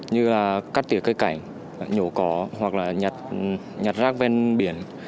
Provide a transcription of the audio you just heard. như là cắt tỉa cây cảnh nhổ cỏ hoặc là nhặt rác ven biển